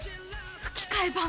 吹き替え版